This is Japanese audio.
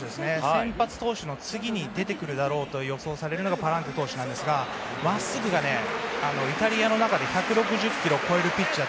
先発投手の次に出てくるだろうと予想されるのがパランテ投手ですがまっすぐがイタリアの中で１６０キロを超えるピッチャー